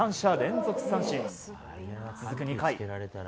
続く２回。